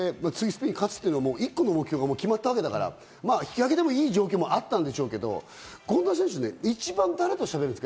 次の試合に勝つという一個の目標が決まったわけだから、引き分けでもいい状況はあったんでしょうけど、権田選手は一番誰としゃべるんですか？